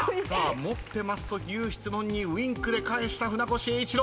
「持ってます？」という質問にウインクで返した船越英一郎。